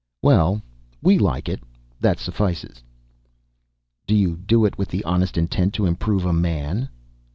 "Well, WE like it; that suffices." "Do you do it with the honest intent to improve a man?"